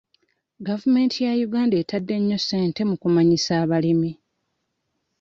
Gavumenti ya Uganda etadde nnyo ssente mu kumanyisa abalimi.